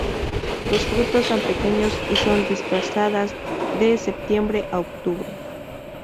Los frutos son pequeños y son dispersadas de septiembre a octubre.